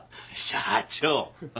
社長。